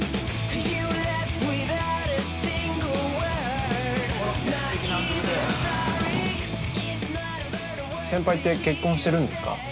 ◆先輩って結婚してるんですか？